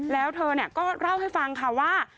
แล้วเธอก็เล่าให้ฟังค่ะว่า